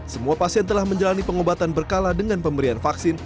semua pasien telah menjalani pengobatan berkala dengan pemberian vaksin